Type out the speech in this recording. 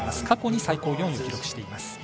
過去最高４位を記録しています。